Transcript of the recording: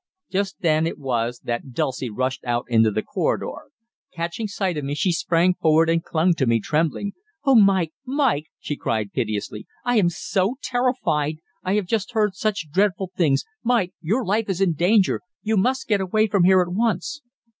Just then it was that Dulcie rushed out into the corridor. Catching sight of me, she sprang forward and clung to me, trembling. "Oh, Mike! Mike!" she cried piteously, "I am so terrified. I have just heard such dreadful things Mike, your life is in danger you must get away from here at once!"